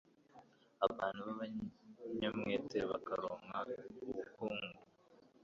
abantu b’abanyamwete bakaronka ubukungu